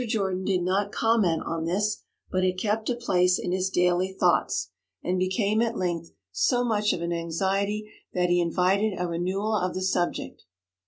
Jordan did not comment on this, but it kept a place in his daily thoughts, and became at length so much of an anxiety that he invited a renewal of the subject.